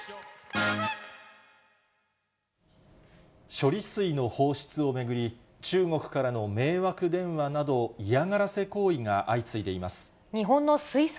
処理水の放出を巡り、中国からの迷惑電話など、嫌がらせ行為が相次いでいます。